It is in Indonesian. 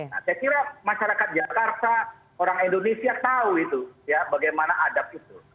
nah saya kira masyarakat jakarta orang indonesia tahu itu ya bagaimana adab itu